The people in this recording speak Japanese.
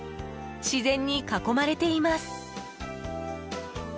自然に囲まれています。